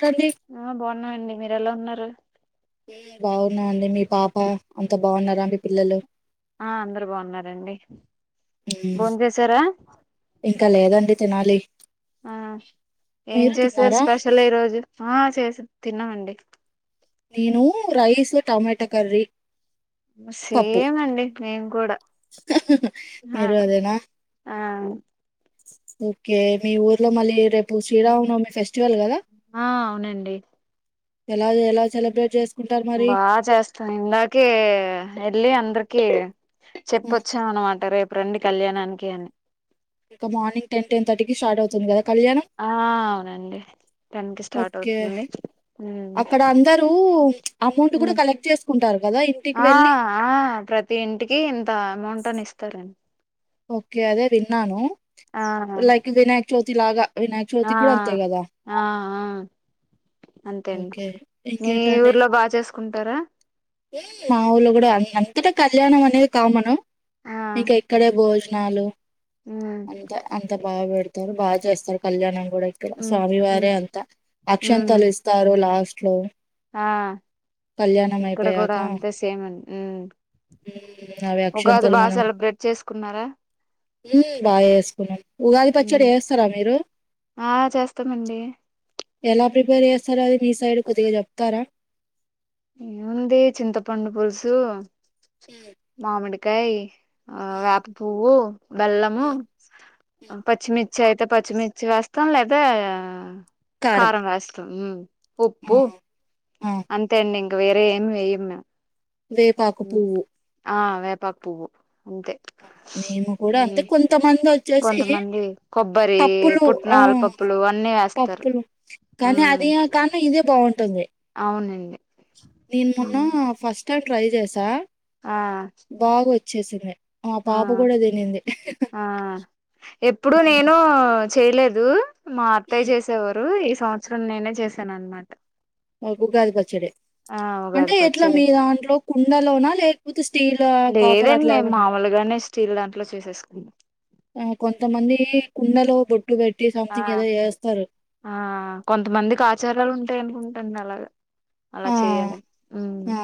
రండి అ బావున్నండి మీర్ ఎలా ఉన్నారు బావున్నా అండి మీ పాప అంత బావున్నారా మీ పిల్లలు అ అందరు బావున్నారండి హ్మ్. బోంజేసారా ఇంకా లేదండి తినాలి అ ఏం మీరు జెశారు తిన్నారా స్పెషల్ ఈరోజు అ చేసి తిన్న అండి నేను రైస్ టమాట కర్రీ పప్పు సేమ్ అండి మేం కూడా అ మీరు అ అ ఒకే మీ ఊర్లో మళ్ళీ రేపు శ్రీరామనవమి ఫెస్ట్ ఆ అవునండి ఎలా ఎలా సెలబ్రేట్ చేస్ బా చేస్తాను ఇందాకె ఎళ్ళి అందరికి కీ ఆ! చెప్పొచ్చాం అనమాట రేపు రండి కళ్యాణానికి అని ఇక మార్నింగ్ టెన్ టెన్ థర్టీకి స్టార్ట్ అవుతుంది కదా కళ్యాణం ఆ అవునండి టెన్ కి స్టార్ట్ ఓకే ‌అవుతుంది అక్కడ అందరూ అమౌంట్ కూడా కలెక్ట్ చేసుకుంటారు కదా ఇంటికి ఆ వెళ్ళి ఆ ప్రతి ఇంటికి ఇంత అమౌంట్ అని ఇస్తారండి ఓకే అదే విన్నాను ఆవును జ్యోతిలాగా ఆ ఆ అంతే ఓకే అండి మీ ఇంకేంటండి ఊర్లో బాగా చేసు కుంటర మా ఊళ్ళో కూడా అ అంతటా కళ్యాణం అనేది కామను ఆ ఇక ఇక్కడే భోజ్ నాలుగు ఉమ్ అంత అంత బాగా పెడతారు బాగా చేస్తారు కళ్యాణం ఉమ్ ఉమ్ స్వామివారే అంతా అక్షంతలు ఉమ్ ఇస్తారు లాస్ట్ లో ఆ కళ్యాణం ఇక్కడ అయిపోయాక కూడా అంతే సేమ్ ఉ అవి అక్షంతలు మనం సెలబ్రేట్ చేసుకున్నారా ఉ బాగా చేసుకున్నాం ఉగాది పచ్చడి ఉమ్ చేస్తారా మీరు ఆ చేస్తామండి ఎలా ప్రిపేర్ చేస్తారో అది మీ సైడ్ కొద్దిగా చెప్తారా ఏముంది చింతపండు పులుసు మామిడి కై ఆ వేప పువ్వు బెల్లము, పచ్చిమి చేతే పచ్చిమిర్చి వేస్తాం లేదా కారం వేస్తాం ఉ ఆ ఉప్పు ఆ అంతే ఇంకా వేరే ఏం వేయం మేం వేపాకు పువ్వు తా పువ్వు అంతే మేము కూడా అంటే మ్మ్ కొంతమంది వ కొంతమంది కొబ్బరి ఆ పుట్నలపప్పులు అన్నీ వేస్తారు ఇంే బాగు అవునండి నేను మొన్న మ్మ్ ఫస్ట్ స్టార్ ఫ్రైజేస ఆ చే సింది ఆ ఆ ఎప్పుడు హ్మ్ నేను చేయలేదు మా అత్తాయ్య హ్మ్ చేసేవారు ఇ సంవత్సరం నేనే చేశాను అనమాట మాకు ఉగాది పచ్చడి ఆ ఉగాది అంటే ఎట్లా పచ్చడి మీ దాంట్లో కుండలోనా లేకపోతే స్టీల్ కాపర్ లేదండి అట్లా మేము ఏమనా మామూలుగానే స్టీల్ దాంట్లో చేసేసుకున్నాం ఆ కొంతమంది కుండలో బట్ ఆ ఆ కొంతమందికి ఆచారాలు ఉంటాయి అనుకుంటా నలగా అలా ఆ చెయ్యాల ఉ ఆ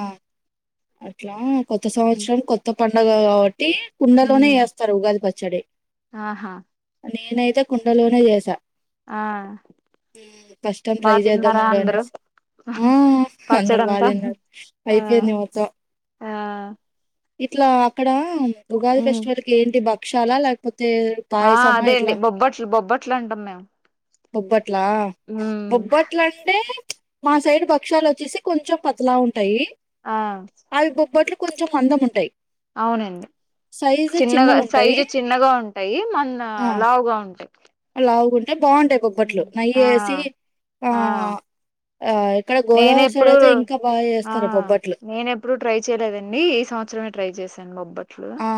అట్లా కొత్త సంవత్సరం కొత్త పంండగగా కావట్టి టి కుండలోనే మ్మ్ వేస్తారు ఉగాది పచ్చడి ఆహా నేనైతే కుండలోనే చేసా ఆ ఫస్ట్ టైమ్ బా ట్రై చేద్దాం తిన్నారా ఉండ అనే అందరూ ఆ అందరు బా పచ్చడంతా తిన్నారు ఆ అయిపోయింది ఆ ఇట్లా అక్కడ ఉగాది ఉమ్ ఫెస్టివల్ి ఏంటి బాక్ చాలలేపోతే తె ఆ పాయసమా అదే అండి ఎట్లా బొబ్బట్లు బొబ్బట్లు అంటాం మేము బొబ్బట్లా ఉమ్ బొబ్ మా సైడ్ భక్ష్యాలు వచ్చేసి కొంచెం పతలా ఉంటుంది టయి ఆ అవి బొబ్బట్లు కొంచం మందం ఉంటాయి అవునండి చిన్నగ చిన్నగుంటాయి. సైజు చిన్నగా ఉంటాయి మన్న లావుగా ఉంటాయి లావుగు న్ అంటె బాగుంటాయి బొబ్బట్లు నెయ్యి ఆ వేసి ఆ నేనెప్పుడుూ ఆ చేస్తారు బొబ్బట్లు. నేనెప్పుడుూ ట్రై చేయలేదండి ఈ సంవత్సరమే ట్రై చేశాను మొబ్బాయి ఆ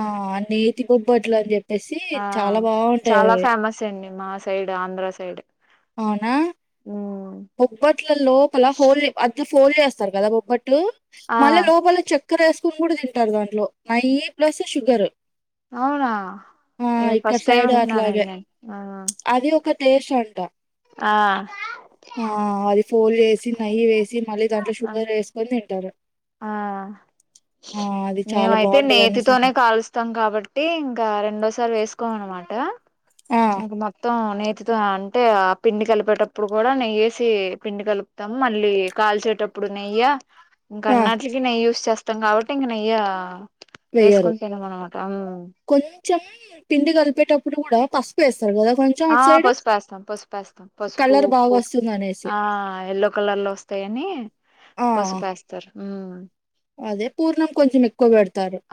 నేతి బొబ్బట్లు అని చెప్ప తెసి ఆ చాలా బాగుంటాయి చాలా అవి ఫేమస్ అండి మా సైడ్ ఆంధ్ర సైడ్ అవున ఉమ్ బొబ్బట్ ట్ల లోపలా హోల్ అద్ ఫోల్ చేస్తారు కదా బొబ్బట్ ట్టు ఆ మళ్ళ లోపల చక్కెర్ వేస్త కుమ్ముడు తింటారు దాంట్లో నయ్యి ప్లస్ షుగర్ అవున ఆ ఏ ఇక్కడ ఫస్ట్ టైం సైడ్ వింటున్నా నేను తేషంట ఆ ఆ అది ఫోల్ చేసి నెయ్యి వేసి మళ్ళీ దాంట్లొ షుగర్ వేసుకొని తింటారు ఆ ఆ అది చాలా మేమైతే బాగుంటది అనేసి నేతితోనే అన్నారు కాలుస్తాం కాబట్టి ఇంకా రెండోసారి వేసు ఎక్కువ అనమాట ఆ ఇక మొత్తం నే తుదో అంటే ఆ పిండి కలిపేటప్పుడు కూడ నెయ్యేసి పిండి కలుప్తాము మళ్ళీ కాల్చేటప్పుడు నెయ్య ఇంకా ఆ అన్నాట్లికి నెయ్యి యూస్ చేస్తా మొత్తం కాబట్టి ఇంక నెయ్య వెయ్యరు వేసుకుని తినం అనమాట కొంచం పిండి కలిపేటప్పుడు ఇప్పుడు కూడ పసుపు వేస్ ఆ పసుపేస్తాం పసుపేస్తాం పసుపు కలర్ బాగా ఉప్పు వస్తుంది అనేసి ఆ ఎల్లో కలర్ లో వస్తాయని ఆ పసుపు వేస్తారు ఉమ్ అదే పూర్ణం కొంచం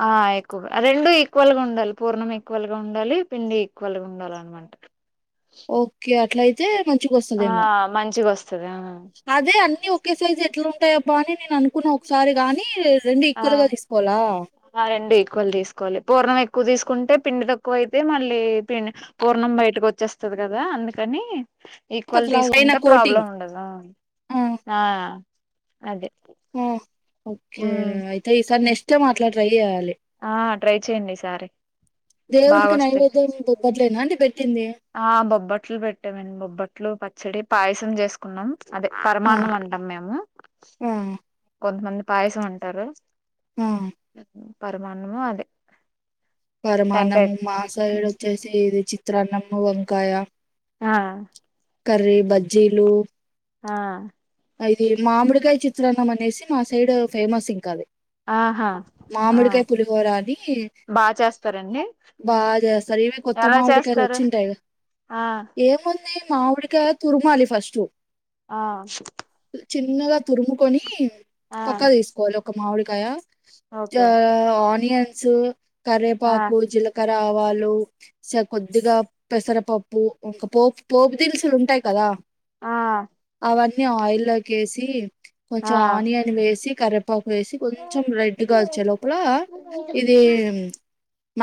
ఆ ఎక్కువగా రెండు ఈక్వల్ గా ఉండాలి పూర్ణం ఎక్కువ ఈక్వల్గా ఉండాలి పిండి ఈక్వల్ గా ఉండాలి అన్నమాట ఓకే అట్లయితే మ ఆ మంచిగా వ అదే అన్ని ఒకే సైజ్ ఎట్లా ఉం టాయి అబ్బా అని నేను అనుకున్నా ఒకసారి గాని రెండు ఆ ఈక్వల్ గా తీసుకోవాలా ఆ రెండు ఈక్వల్ తీసుకోవాలి పూర్ణం ఎక్కువ తీసుకుంటే పిండి తక్కువ అయితే మళ్ళీ పిం పూర్ణం బయటకు వచ్చేస్తది కదా అందుకని ఈక్వల్ పతలాగా పైన తీసుకుంటే కోటింగ్. ప్రాబ్లం ఉండదు ఆ ఆ అదే హ ఓకే మ్మ్ అయితే ఈ సార్ నెక్స్ట్ టైం అట్లా ట్రై చేయాలి ఆ ట్రై చెయ్యండి ఈ సారీ దేవునికి నైవేద్యం బొబ్బట్లేనా అండి పెట్టింది బట్టలు పెట్టామండి బొబ్బట్లు పచ్చడి పాయసం చేసుకున్నాం అదే ఆ! పరమాన్నం అంటాం మేము ఆ! కొంతమంది పాయసం ఉంటారు ఆ! పరమాన్నము అదే టెంకాయ పరమాన్నము మాసైడు వచ్చేసి ఇది చి చిత్రాన్నం వంకాయ ఆ కర్రీ బజ్జీలు ఆ అది మామిడికాయ చిత్రాన్నం అనేసి మా సైడ్ ఫేమస్ ఇంకా అది ఆహా ఆ మామిడికాయ పులిహోరా అని బాగా చేస్తారండి బాగా చేస్తారు ఇవి కొత్త ఎలా మామిడికాయలు చేస్తారు వచ్చింటాయిగా ఆ ఏము మామిడికాయ తురుమాలి ఫస్ట్ ఆ చిన్నగా తురుముకొని ఆ తొక్క తీసుకోవాలి ఒక మామిడి కాయా ఆ ఓకే ఆన్ ఈ అన్సు ఆ కర్రేపాకు జీలకర్ర ఆవాలు కొద్దిగా పెసరపప్పు ఇంకా పోపు పోపు దినుసులు ఉంటాయి కదా ఆ అన్ని ఆయిల్ లోకి వేసి కొంచెం ఆ ఆనియన్ వేసి కరే పకు వేసి కొంచెం రెడ్ గా వచ్చే లోపల ఇది